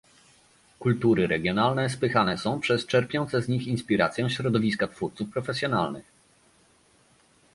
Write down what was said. Kultury regionalne spychane są przez czerpiące z nich inspirację środowiska twórców profesjonalnych